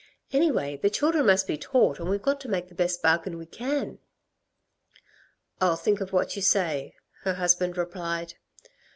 Anyway, the children must be taught and we've got to make the best bargain we can." "I'll think of what you say," her husband replied.